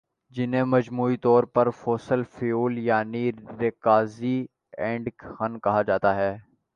جنہیں مجموعی طور پر فوسل فیول یعنی رکازی ایندھن کہا جاتا ہے